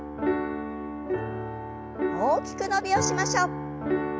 大きく伸びをしましょう。